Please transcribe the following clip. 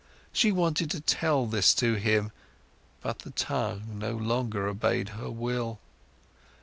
She wanted to tell this to him, but the tongue no longer obeyed her will.